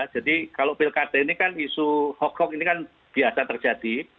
jadi kalau pilkada ini kan isu hoaks ini kan biasa terjadi